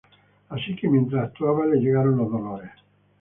Así que mientras actuaba, le llegaron los dolores.